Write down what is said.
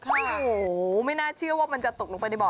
โอ้โหไม่น่าเชื่อว่ามันจะตกลงไปในบ่อ